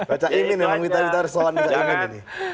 baca imin memang minta minta soalan di caimin ini